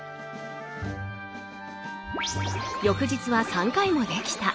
翌日は３回もできた。